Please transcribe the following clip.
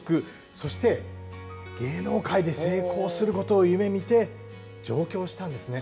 そして芸能界で成功することを夢みて上京したんですね。